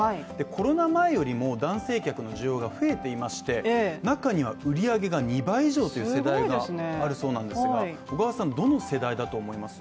コロナ前よりも男性客の需要が増えていまして中には売り上げが２倍以上という世代があるそうなんですがどの世代だと思います？